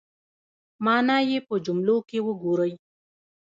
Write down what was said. مانا یې په جملو کې وګورئ